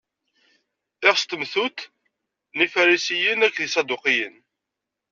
Iɣes n temtunt n Ifarisiyen akked Iṣaduqiyen.